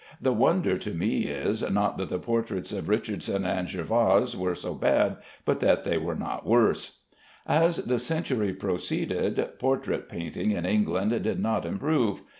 The wonder to me is, not that the portraits of Richardson and Jervas are so bad, but that they are not worse. As the century proceeded, portrait painting in England did not improve.